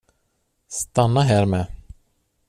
Stanna här med.